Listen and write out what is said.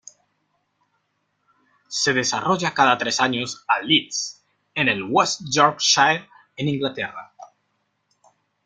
Se desarrolla cada tres años a Leeds, en el West Yorkshire, en Inglaterra.